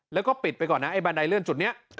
แล้วก็ปิดไปก่อนนะไอบันไดเลื่อนจุดนี้